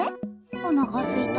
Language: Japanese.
おなかすいた。